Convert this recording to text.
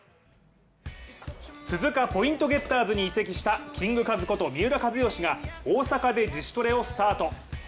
鈴鹿ポイントゲッターズに移籍した、キングカズこと三浦知良が大阪で自主トレをスタート。